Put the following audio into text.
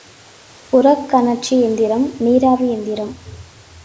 புறக்கனற்சி எந்திரம் நீராவி எந்திரம்.